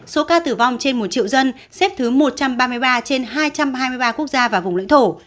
số ca tử vong trên một triệu dân xếp thứ một trăm ba mươi ba trên hai trăm hai mươi ba quốc gia và vùng lãnh thổ